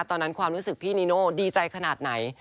ตอนนั้นความรู้สึกพี่นิโน่ดีใจขนาดไหน